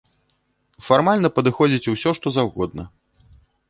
Фармальна падыходзіць усё што заўгодна.